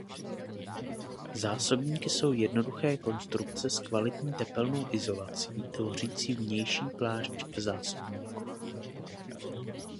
Zásobníky jsou jednoduché konstrukce s kvalitní tepelnou izolací tvořící vnější plášť zásobníku.